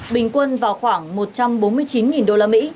bình quân vào khoảng một trăm bốn mươi chín usd